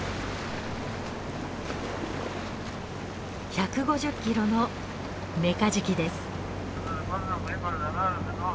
１５０キロのメカジキです。